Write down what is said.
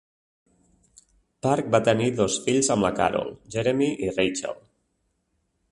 Park va tenir dos fills amb la Carol, Jeremy i Rachael.